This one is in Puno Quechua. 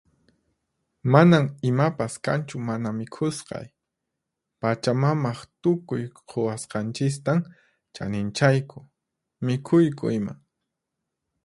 Manan imapas kanchu mana mikhusqay. Pachamamaq tukuy quwasqanchistan chaninchayku, mikhuyku ima.